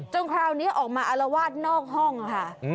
คราวนี้ออกมาอารวาสนอกห้องค่ะ